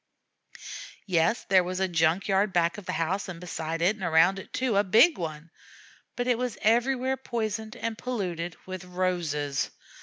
Yes, there was a junk yard back of the house and beside it and around it too, a big one, but it was everywhere poisoned and polluted with roses.